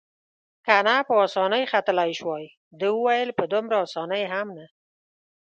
که نه په اسانۍ ختلای شوای، ده وویل: په دومره اسانۍ هم نه.